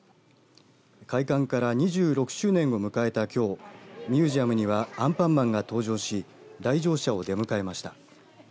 開館から２６周年を迎えたきょうミュージアムにはアンパンマンが登場し来場者を出迎えました。